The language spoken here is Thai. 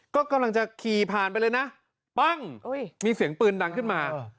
ก็กำลังจะขี่ผ่านไปเลยนะปั้งมีเสียงปืนดังขึ้นมา